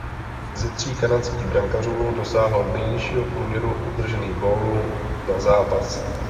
Ze tří kanadských brankářů dosáhl nejnižšího průměru obdržených gólu na zápas.